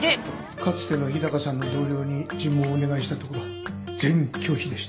かつての日高さんの同僚に尋問をお願いしたところ全拒否でした。